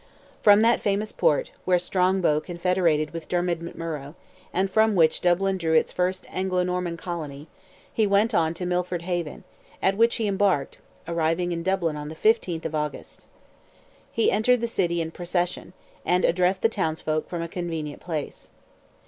From that famous port, where Strongbow confederated with Dermid McMurrogh, and from which Dublin drew its first Anglo Norman colony, he went on to Milford Haven, at which he embarked, arriving in Dublin on the 15th of August. He entered the city in procession, and addressed the townsfolk from "a convenient place."